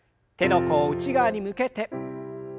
手の甲を内側に向けて。